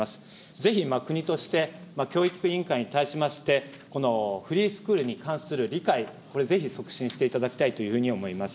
ぜひ国として教育委員会に対しまして、このフリースクールに関する理解、これ、ぜひ促進していただきたいというふうに思います。